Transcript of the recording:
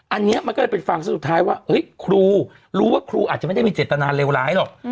อันนี้มันก็เลยเป็นฟังสุดท้ายว่าครูรู้ว่าครูอาจจะไม่ได้มีเจตนาเลวร้ายหรอก